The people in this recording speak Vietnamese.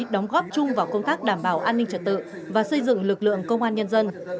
đóng góp chung vào công tác đảm bảo an ninh trật tự và xây dựng lực lượng công an nhân dân